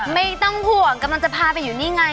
ไม่ต้องห่วงกำลังจะพาไปอยู่นี่ไง